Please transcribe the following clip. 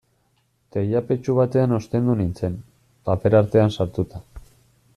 Teilapetxu batean ostendu nintzen, paper artean sartuta.